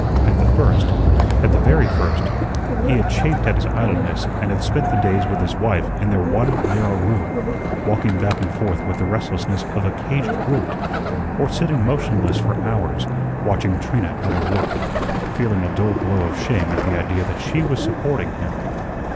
At the first at the very first he had chafed at his idleness and had spent the days with his wife in their one narrow room, walking back and forth with the restlessness of a caged brute, or sitting motionless for hours, watching Trina at her work, feeling a dull glow of shame at the idea that she was supporting him.